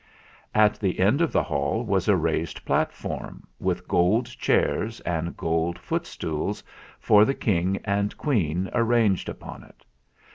At the end of the hall was a raised platform with gold chairs and gold footstools for the' King and Queen arranged upon it.